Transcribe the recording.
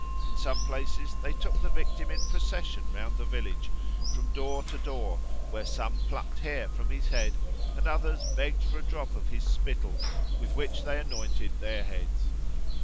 In some places they took the victim in procession round the village, from door to door, where some plucked hair from his head, and others begged for a drop of his spittle, with which they anointed their heads.